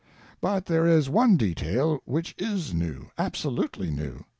But there is one detail which is new, absolutely new.